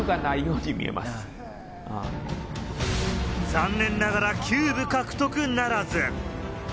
残念ながらキューブ獲得ならず。